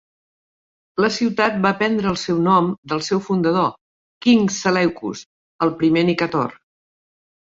La ciutat va prendre el seu nom del seu fundador, King Seleucus, el primer Nicator.